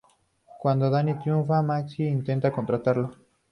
Cuando Danny triunfa, Maxie intenta contratarlo.